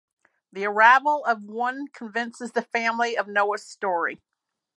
The arrival of one convinces the family of Noah's story.